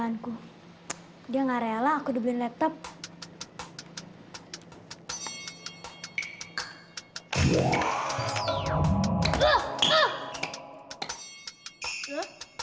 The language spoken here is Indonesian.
aku sama merah putra sama raja